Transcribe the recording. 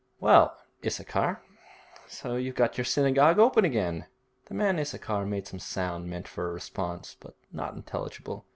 'Well, Issachar; so you've got your synagogue open again!' The man Issachar made some sound meant for a response, but not intelligible.